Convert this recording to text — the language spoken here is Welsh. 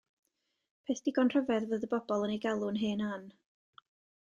Peth digon rhyfedd fod y bobl yn ei galw'n hen Ann.